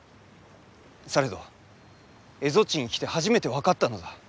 されど蝦夷地に来て初めて分かったのだ！